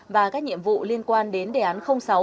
và các nhiệm vụ liên quan đến đề án sáu